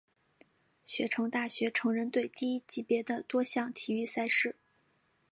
雪城大学橙人队第一级别的多项体育赛事。